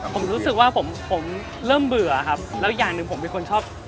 ผมรู้สึกว่าผมผมเริ่มเบื่อครับแล้วอีกอย่างหนึ่งผมเป็นคนชอบ